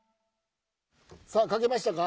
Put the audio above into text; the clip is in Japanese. さあ描けましたか？